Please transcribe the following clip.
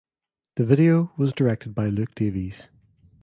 The video was directed by Luke Davies.